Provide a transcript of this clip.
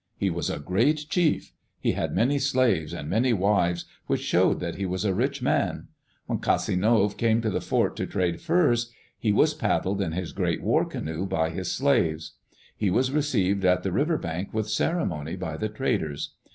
He was a great chief. He had many slaves and many wives, which showed that he was a rich man. When Casinove came to the fort to trade furs, he was paddled in his great war canoe by his slaves. He was received at the river bank with ceremony by the traders.